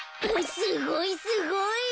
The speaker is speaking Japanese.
すごいすごい！